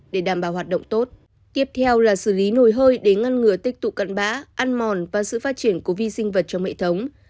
để đảm bảo hoạt động tốt tiếp theo là xử lý nồi hơi để ngăn ngừa tích tụ cận bã ăn mòn và sự phát triển của vi sinh vật trong hệ thống